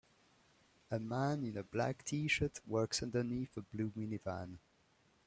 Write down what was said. A man in a black tshirt works underneath a blue minivan.